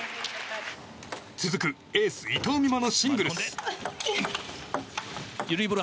続くエース、伊藤美誠のシングルス。